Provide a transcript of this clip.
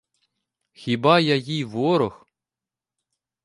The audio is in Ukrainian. Хіба я їй ворог?